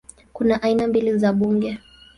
Kuna aina mbili za bunge